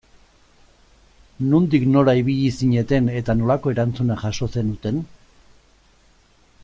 Nondik nora ibili zineten eta nolako erantzuna jaso zenuten?